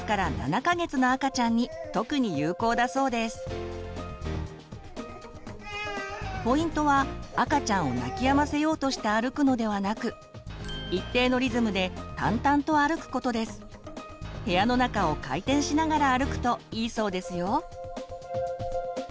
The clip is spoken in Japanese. この方法はポイントは赤ちゃんを泣きやませようとして歩くのではなく部屋の中を回転しながら歩くといいそうですよ。